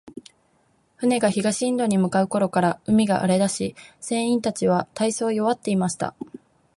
船が東インドに向う頃から、海が荒れだし、船員たちは大そう弱っていました。